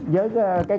với cái cơ sở gia bảo